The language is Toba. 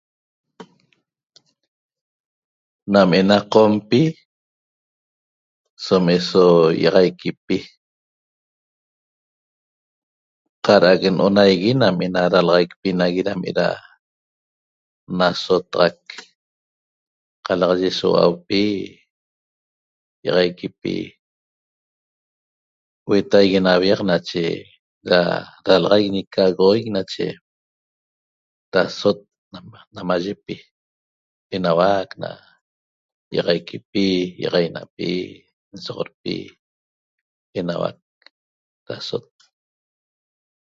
Nam ena qompi som eso ýi'axaiquipi cara'ac no'onaigui nam ena dalaxaicpi nagui dam eda nasotaxac qalaxaye so hua'aupi ýi'axaiquipi huetaigui na aviaq nache da dalaxaic ñi ca'agoxoic nache dasot na namayipi enauac na ýi'axaiquipi ýi'axaina'pi n'soxodpi enauac dasot